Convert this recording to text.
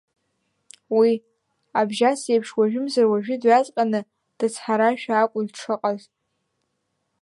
Уи, абжьас еиԥш, уажәымзар-уажәы дҩаҵҟьаны дыцҳарашәа акәын дшыҟаз.